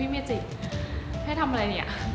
เมจิกให้ทำอะไรเนี่ย